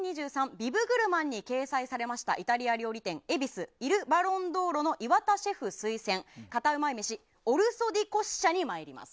ビブグルマンに掲載されました、イタリア料理店恵比寿イルバロンドーロの岩田シェフ推薦カタうまい飯オルソディコッシャに参ります。